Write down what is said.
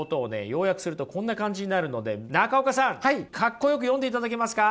要約するとこんな感じになるので中岡さんかっこよく読んでいただけますか？